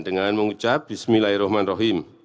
dengan mengucap bismillahirrahmanirrahim